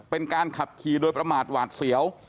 เป็นการขับขี่โดยประมาทหวาดเสียว